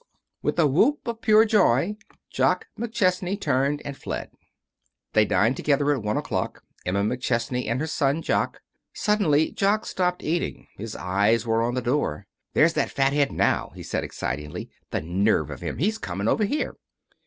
With a whoop of pure joy Jock McChesney turned and fled. They dined together at one o'clock, Emma McChesney and her son Jock. Suddenly Jock stopped eating. His eyes were on the door. "There's that fathead now," he said, excitedly. "The nerve of him! He's coming over here."